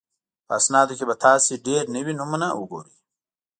په اسنادو کې به تاسو ډېر نوي نومونه وګورئ